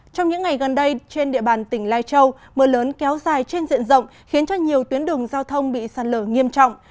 trong những ngày gần đây trên địa bàn tỉnh lai châu mưa lớn kéo dài trên diện rộng khiến cho nhiều tuyến đường giao thông bị sạt lở nghiêm trọng